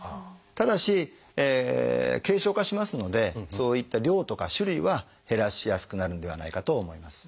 ただし軽症化しますのでそういった量とか種類は減らしやすくなるんではないかと思います。